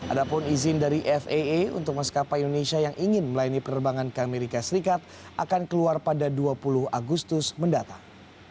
ada pun izin dari faa untuk maskapai indonesia yang ingin melayani penerbangan ke amerika serikat akan keluar pada dua puluh agustus mendatang